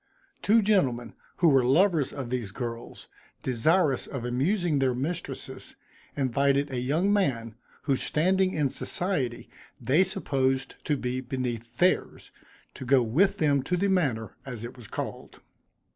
Two gentlemen, who were lovers of these girls, desirous of amusing their mistresses, invited a young man, whose standing in society they supposed to be beneath theirs, to go with them to the manor, as it was called.